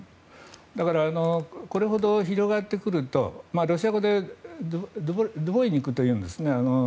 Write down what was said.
だから、これほど広がってくるとロシア語でドゥボイニクというんです。